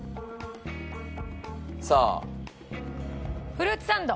フルーツサンド。